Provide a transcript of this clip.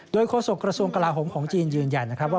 โดยโฆษกระทรวงกลาหมของจีนยืนยันว่า